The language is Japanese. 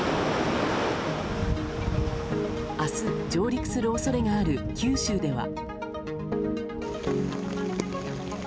明日、上陸する恐れがある九州では。